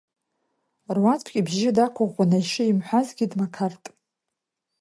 Руаӡәк, ибжьы дақәыӷәӷәаны ишимҳәазгьы, дмақарт…